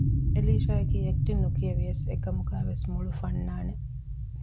އެލީޝާ އަކީ އެކްޓިން ނުކިޔެވިޔަސް އެކަމުގައިވެސް މޮޅު ފަންނާނެއް